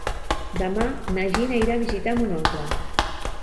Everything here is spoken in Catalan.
Demà na Gina irà a visitar mon oncle.